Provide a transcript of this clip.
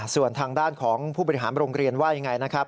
ส่วนทางด้านของผู้บริหารโรงเรียนว่ายังไงนะครับ